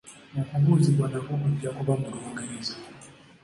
Okubuuzibwa nakwo kujja kuba mu Lungereza.